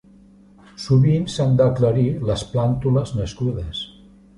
Sovint s'han d'aclarir les plàntules nascudes.